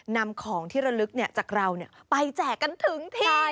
นำของที่ระลึกจากเราไปแจกกันถึงที่